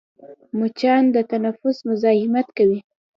مچان د تنفس مزاحمت کوي